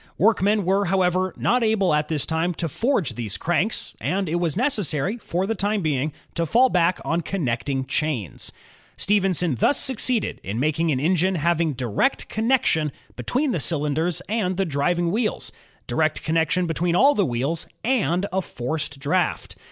Work men were, however, not able at this time to forge these cranks, and it was necessary, for the time being, to fall back on connecting chains. Stephenson thus succeeded in making an engine having direct connection between the cyUnders and the driving wheels, direct connection between all the wheels, and a forced draft.